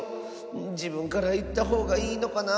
じぶんからいったほうがいいのかな。